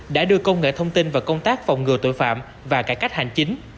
đã đưa công nghệ thông tin vào công tác phòng ngừa tội phạm và cải cách hành chính